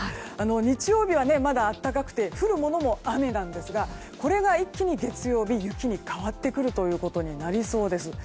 日曜日はまだ暖かくて降るものも雨なんですがこれが一気に月曜日雪に変わってくるということになりそうです。